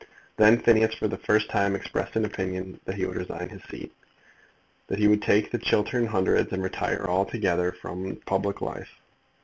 Then Phineas for the first time expressed an opinion that he would resign his seat, that he would take the Chiltern Hundreds, and retire altogether from public life.